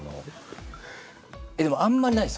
でもあんまりないです